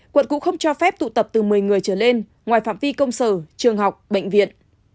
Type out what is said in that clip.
quận cũng không cho phép tụ tập từ một mươi người trở lên ngoài phạm vi công sở trường học bệnh viện